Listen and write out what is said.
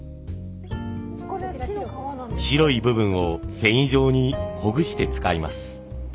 白い部分を繊維状にほぐして使います。